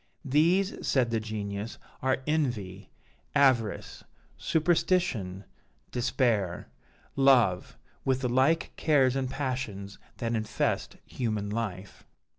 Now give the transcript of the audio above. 'These,' said the Genius, 'are envy, avarice, superstition, despair, love, with the like cares and passions that infest human life.'